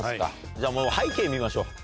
じゃあもう背景見ましょう。